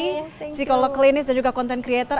psikolog klinis dan juga content creator